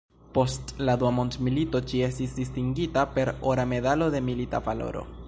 Post la Dua mondmilito ĝi estis distingita per ora medalo de "milita valoro".